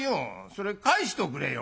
それ返しておくれよ」。